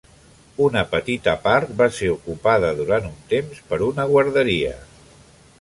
Una petita part va ser ocupada durant un temps per una guarderia.